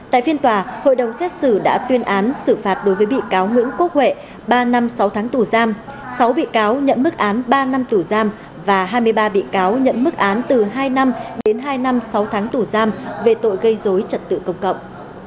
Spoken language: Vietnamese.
tại phiên tòa hội đồng xét xử đã tuyên án xử phạt đối với bị cáo nguyễn quốc huệ ba năm sáu tháng tù giam sáu bị cáo nhận mức án ba năm tù giam và hai mươi ba bị cáo nhận mức án từ hai năm đến hai năm sáu tháng tù giam về tội gây dối trật tự công cộng